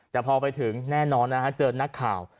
แต่พอไปถึงแน่นอนนะฮะเจอนักข่าว